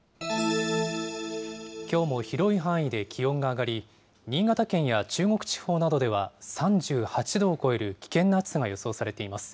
きょうも広い範囲で気温が上がり、新潟県や中国地方などでは３８度を超える危険な暑さが予想されています。